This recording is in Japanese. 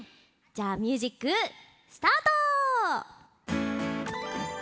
じゃあミュージックスタート！